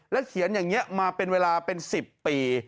เขียนอย่างนี้มาเป็นเวลาเป็น๑๐ปี